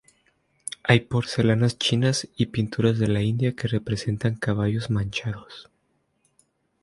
Hay porcelanas chinas y pinturas de la India que representan caballos manchados.